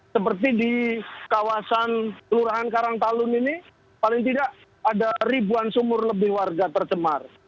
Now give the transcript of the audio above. seperti di kawasan kelurahan karangtalun ini paling tidak ada ribuan sumur lebih warga tercemar